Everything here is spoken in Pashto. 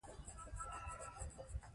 المره د خوست يو کلی دی.